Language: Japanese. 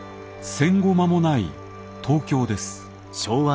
戦後間もない東京です。